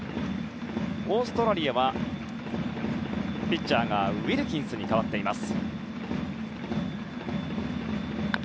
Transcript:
オーストラリアはピッチャーがウィルキンスに代わっています。